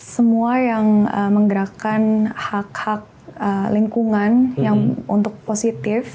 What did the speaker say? semua yang menggerakkan hak hak lingkungan yang untuk positif